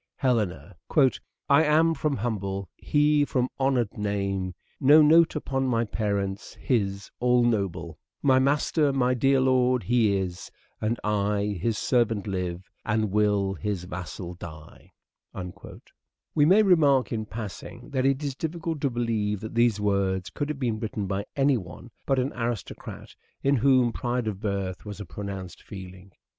Helena :" 1 am from humble, he from honour 'd name ; No note upon my parents, his all noble ; My master, my dear lord he is ; and I His servant live, and will his vassal die." We may remark in passing that it is difficult to believe that these words could have been written by any one but an aristocrat in whom pride of birth was a pronounced feeling.